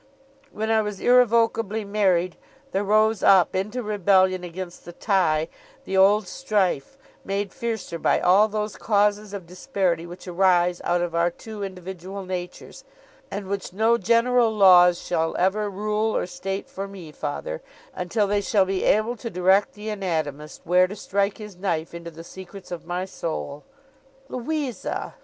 'When I was irrevocably married, there rose up into rebellion against the tie, the old strife, made fiercer by all those causes of disparity which arise out of our two individual natures, and which no general laws shall ever rule or state for me, father, until they shall be able to direct the anatomist where to strike his knife into the secrets of my soul.' 'Louisa!